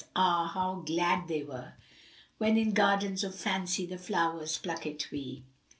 Ah, how glad they were * When in Gardens of Fancy the flowers pluckt we!